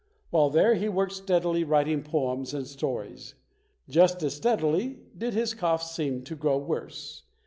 While there he worked steadily writing poems and stories. Just as stead ily did his cough seem to grow worse.